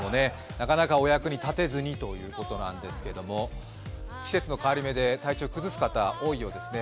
なかなかお役に立てずにということなんですけれども季節の変わり目で体調を崩す方、多いようですね。